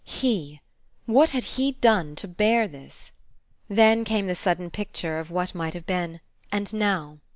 He, what had he done to bear this? Then came the sudden picture of what might have been, and now.